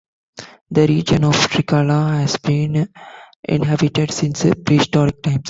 The region of Trikala has been inhabited since prehistoric times.